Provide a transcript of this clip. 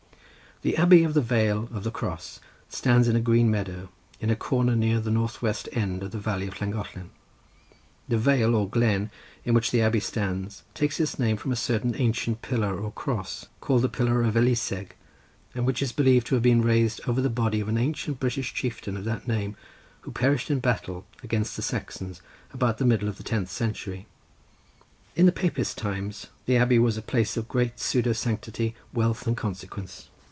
The abbey of the vale of the cross stands in a green meadow, in a corner near the north west end of the valley of Llangollen. The vale or glen, in which the abbey stands, takes its name from a certain ancient pillar or cross, called the pillar of Eliseg, and which is believed to have been raised over the body of an ancient British chieftain of that name, who perished in battle against the Saxons, about the middle of the tenth century. In the Papist times the abbey was a place of great pseudo sanctity, wealth and consequence.